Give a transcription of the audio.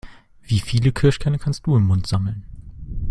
Wie viele Kirschkerne kannst du im Mund sammeln?